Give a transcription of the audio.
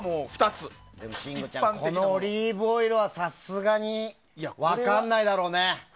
このオリーブオイルはさすがに分からないだろうね。